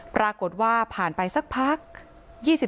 พระเจ้าอาวาสกันหน่อยนะครับ